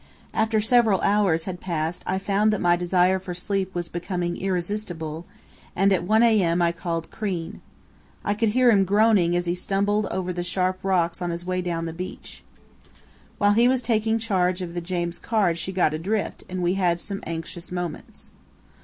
After several hours had passed I found that my desire for sleep was becoming irresistible, and at 1 a.m. I called Crean. I could hear him groaning as he stumbled over the sharp rocks on his way down the beach. While he was taking charge of the James Caird she got adrift, and we had some anxious moments.